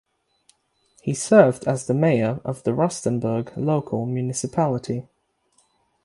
He served as the mayor of the Rustenburg Local Municipality.